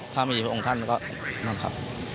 ถ้ามีพระองค์ท่านก็